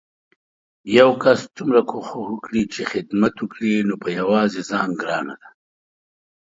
يو کس څومره کوښښ وکړي چې خدمت وکړي نو په يوازې ځان ګرانه ده